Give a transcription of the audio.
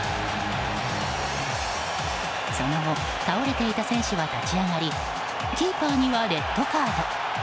その後倒れていた選手は立ち上がりキーパーにはレッドカード。